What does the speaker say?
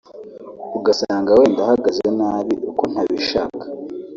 ugasanga wenda ahagaze nabi uko ntabishaka”